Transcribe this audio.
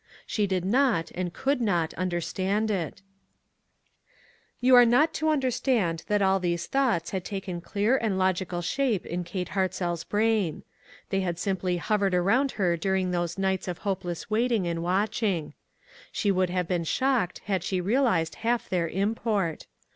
She did not, and could not, understand it. 368 ONE COMMONPLACE DAY. You are not to understand that all these tlio nghts had taken clear and logical shape in Kate Hartzell's brain. They had simply hovered around her during those nights of hopeless waiting and watching. She would have been shocked had she realized half their import.